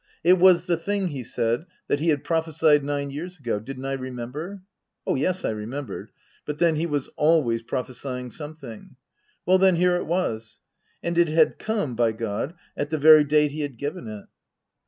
It was the thing, he said, that he had prophesied nine years ago didn't I remember ? (Oh, yes, I remembered ; but then, he was always prophesying some thing.) Well then, here it was. And it had come, by God, at the very date he had given it.